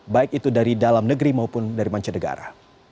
baik itu dari dalam negeri maupun dari manca negara